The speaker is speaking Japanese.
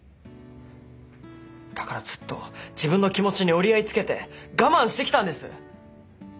だからずっと自分の気持ちに折り合いつけて我慢してきたんです。